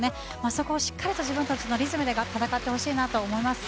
そこをしっかり自分たちのリズムで戦ってほしいと思います。